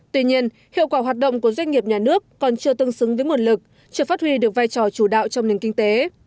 tuy nhiên hiệu quả hoạt động của doanh nghiệp nhà nước còn chưa tương xứng với nguồn lực chưa phát huy được vai trò chủ đạo trong nền kinh tế